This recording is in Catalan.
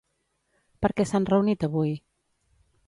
Per què s'han reunit avui?